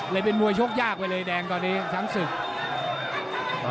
เป็นมวยชกยากไปเลยแดงตอนนี้ช้างศึก